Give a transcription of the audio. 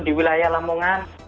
di wilayah lamungan